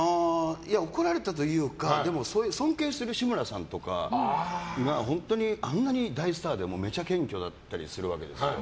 怒られたというか尊敬してる志村さんとかが本当にあんなに大スターでもめちゃ謙虚だったりするわけです。